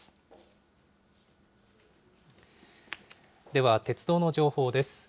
では、鉄道の情報です。